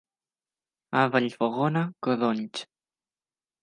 A Vallfogona, codonys.